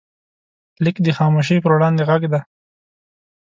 لیک د خاموشۍ پر وړاندې غږ دی.